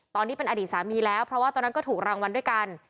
ตอนนี้เป็นอดีตสามีแล้วเพราะว่าตอนนั้นก็ถูกรางวัลด้วยกัน